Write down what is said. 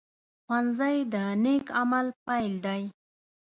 ښوونځی د نیک عمل پيل دی